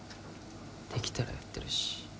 できたらやってるし。